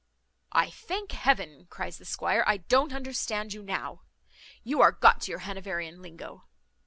"I thank Heaven," cries the squire, "I don't understand you now. You are got to your Hanoverian linguo.